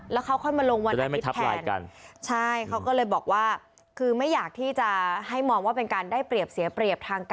แล้วเขาค่อยมาลงวันอักษิตแทน